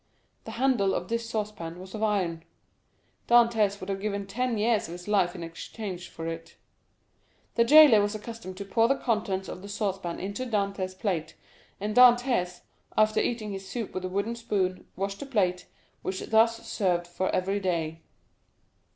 The handle of this saucepan was of iron; Dantès would have given ten years of his life in exchange for it. 0191m The jailer was accustomed to pour the contents of the saucepan into Dantès' plate, and Dantès, after eating his soup with a wooden spoon, washed the plate, which thus served for every day.